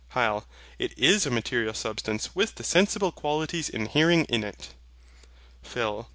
HYL. It is a material substance with the sensible qualities inhering in it. PHIL.